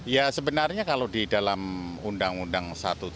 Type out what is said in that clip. ya sebenarnya kalau di dalam undang undang satu ratus tujuh puluh